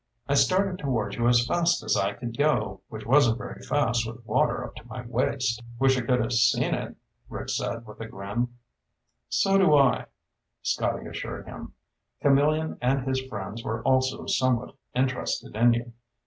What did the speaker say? I started toward you as fast as I could go, which wasn't very fast with water up to my waist." "Wish I could have seen it," Rick said with a grin. "So do I," Scotty assured him. "Camillion and his friends were also somewhat interested in you.